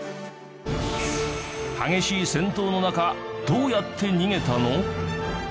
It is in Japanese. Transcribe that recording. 激しい戦闘の中どうやって逃げたの？